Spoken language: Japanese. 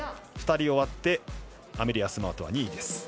２人終わってアメリア・スマートは２位です。